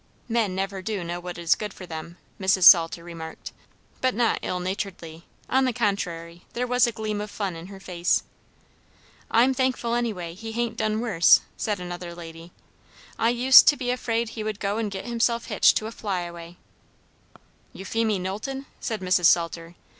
"Men never do know what is good for them," Mrs. Salter remarked, but not ill naturedly; on the contrary, there was a gleam of fun in her face. "I'm thankful, anyway, he hain't done worse," said another lady. "I used to be afraid he would go and get himself hitched to a fly away." "Euphemie Knowlton?" said Mrs. Salter.